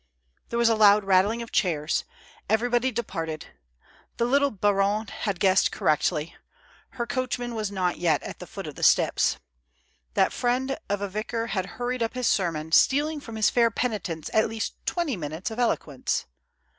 There was a loud rattling of chairs. Everybody departed ; the little baronne had guessed correctly — her coachman was not yet at the foot of the steps. That fiend of a vicar had hurried up his sermon, stealing from his fair penitents at least twenty minutes of elo quence.